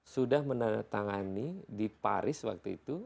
sudah menandatangani di paris waktu itu